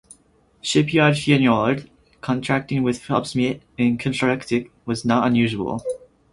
Shipyard Fijenoord contracting with Fop Smit in Kinderdijk was not unusual.